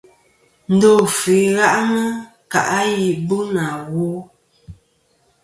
Ndo àfɨ i ghaʼnɨ kaʼ yì bu nà wo.